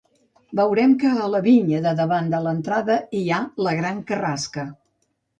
Veurem que a la vinya de davant de l'entrada hi ha la gran carrasca.